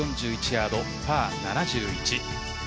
７５４１ヤード、パー７１。